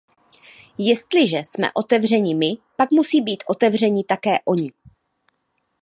Jestliže jsme otevřeni my, pak musí být otevřeni také oni.